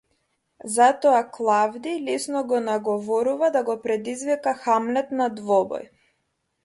Затоа Клавдиј лесно го наговорува да го предизвика Хамлет на двобој.